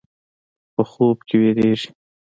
په خوب کې وېرېږي.